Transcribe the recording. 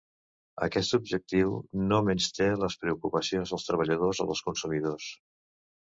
Aquest objectiu no menysté les preocupacions dels treballadors o dels consumidors.